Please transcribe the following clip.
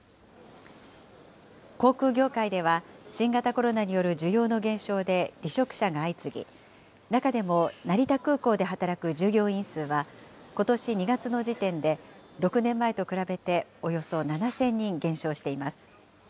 航空業界では、新型コロナによる需要の減少で離職者が相次ぎ、中でも成田空港で働く従業員数は、ことし２月の時点で６年前と比べておよそ７０００人減少しています。